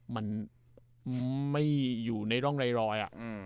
มันไม่อยู่ในร่องรอย